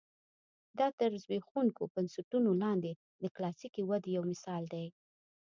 دا تر زبېښونکو بنسټونو لاندې د کلاسیکې ودې یو مثال دی.